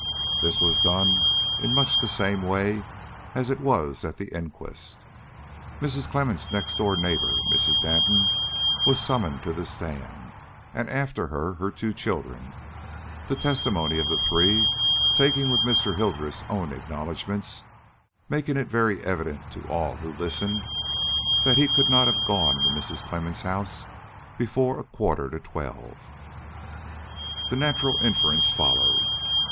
This was done in much the same way as it was at the inquest. Mrs. Clemmens' next door neighbor, Mrs. Danton, was summoned to the stand, and after her her two children, the testimony of the three, taken with Mr. Hildreth's own acknowledgments, making it very evident to all who listened that he could not have gone into Mrs. Clemmens' house before a quarter to twelve. The natural inference followed.